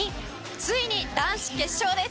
ついに男子決勝です。